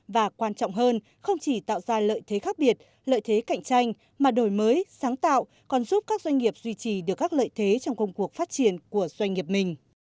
và quan trọng hơn không chỉ tạo ra lợi thế khác biệt lợi thế cạnh tranh mà đổi mới sáng tạo còn giúp các doanh nghiệp duy trì được các lợi thế trong công cuộc phát triển của doanh nghiệp mình